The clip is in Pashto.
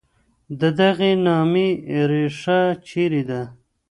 د دغي نامې ریښه چېري ده؟